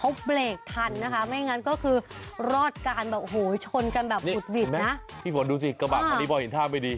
เห็นไหมพี่ฝนดูสิกระบาดอันนี้พอเห็นท่าไม่ดี